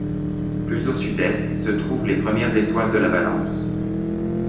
Plus au sud-est se trouvent les premières étoiles de la Balance.